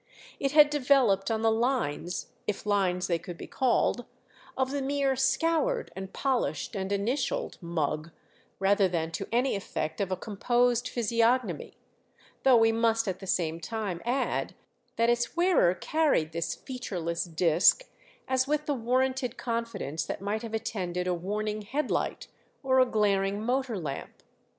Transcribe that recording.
It had developed on the lines, if lines they could be called, of the mere scoured and polished and initialled "mug" rather than to any effect of a composed physiognomy; though we must at the same time add that its wearer carried this featureless disk as with the warranted confidence that might have attended a warning headlight or a glaring motor lamp.